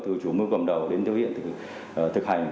từ chủ mưu cầm đầu đến thực hiện thì thực hành